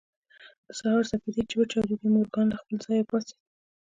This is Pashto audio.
د سهار سپېدې چې وچاودېدې مورګان له خپل ځايه پاڅېد.